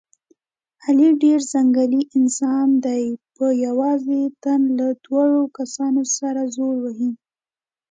علي ډېر ځنګلي انسان دی، په یوازې تن له دور کسانو سره زور وهي.